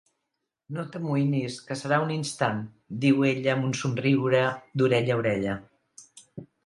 No t'amoïnis, que serà un instant –diu ella amb un somriure d'orella a orella–.